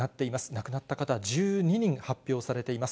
亡くなった方、１２人発表されています。